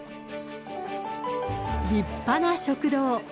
立派な食堂。